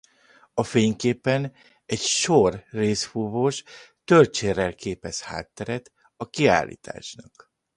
A fényképen egy sor rézfúvós tölcsérrel képez hátteret a kiállításnak.